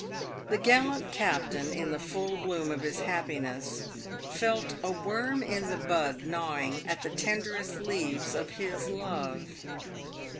The gallant captain, in the full bloom of his happiness, felt a worm in the bud gnawing at the tenderest leaves of his love.